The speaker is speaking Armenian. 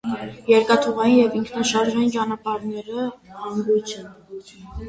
Երկաթուղային եւ ինքնաշարժային ճանապարհներու հանգոյց է։